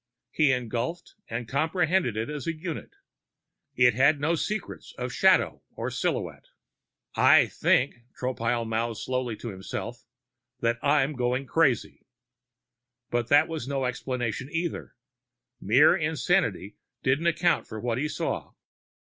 He engulfed and comprehended it as a unit. It had no secrets of shadow or silhouette. I think, Tropile mouthed slowly to himself, that I'm going crazy. But that was no explanation, either. Mere insanity didn't account for what he saw.